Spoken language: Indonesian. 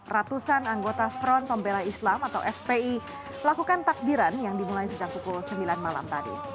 ratusan anggota front pembela islam atau fpi melakukan takbiran yang dimulai sejak pukul sembilan malam tadi